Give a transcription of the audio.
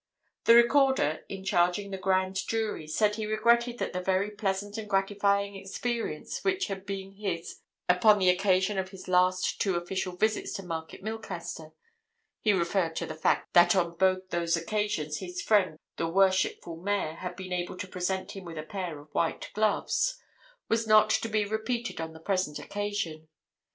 "The Recorder, in charging the Grand Jury, said he regretted that the very pleasant and gratifying experience which had been his upon the occasion of his last two official visits to Market Milcaster—he referred to the fact that on both those occasions his friend the Worshipful Mayor had been able to present him with a pair of white gloves—was not to be repeated on the present occasion.